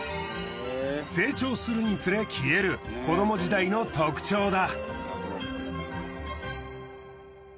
成長するにつれ消える子ども時代の特徴だ。